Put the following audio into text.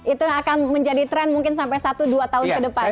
itu yang akan menjadi tren mungkin sampai satu dua tahun ke depan